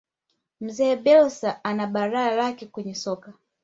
mzee bielsa ana balaa lake kwenye soka